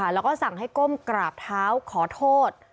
แล้วก็สั่งให้ก้มกราบเท้าขอโทษ